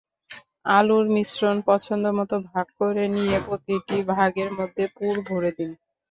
আলুর মিশ্রণ পছন্দমতো ভাগ করে নিয়ে প্রতিটি ভাগের মধ্যে পুর ভরে দিন।